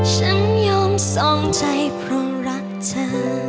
ฉันยอมสองใจเพราะรักเธอ